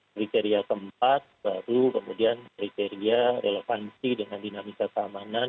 kriteria keempat baru kemudian kriteria relevansi dengan dinamika keamanan